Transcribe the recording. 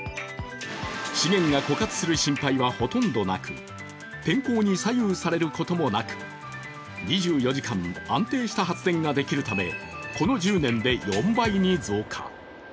資源が枯渇する心配はほとんどなく、天候に左右されることもなく２４時間安定した発電ができるため、この１０年で４倍に増加。